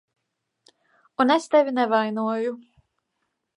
Un es tevi nevainoju.